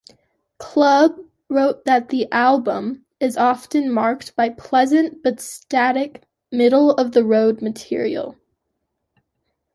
Club" wrote that the album "is often marked by pleasant but static, middle-of-the-road material.